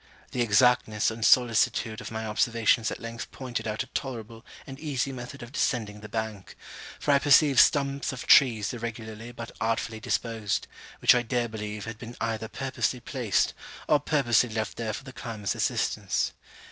The exactness and solicitude of my observations at length pointed out a tolerable and easy method of descending the bank; for I perceived stumps of trees irregularly but artfully disposed, which I dare believe had been either purposely placed or purposely left there for the climber's assistance.